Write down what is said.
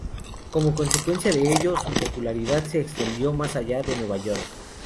Como consecuencia de ello, su popularidad se extendió más allá de Nueva York.